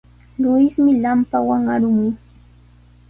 Luismi lampawan arun.